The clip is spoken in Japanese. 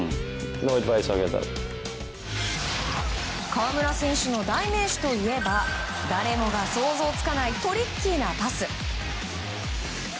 河村選手の代名詞といえば誰もが想像つかないトリッキーなパス。